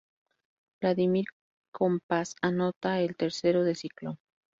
Vladimir Compás anota el tercero de Ciclón.